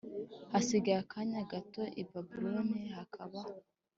Hasigaye akanya gato i Lebanoni hakaba